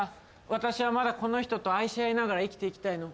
私はまだこの人と愛し合いながら生きていきたいの。